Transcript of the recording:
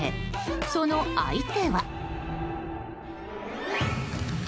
その相手は。